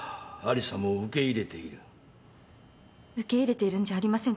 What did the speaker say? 受け入れているんじゃありません。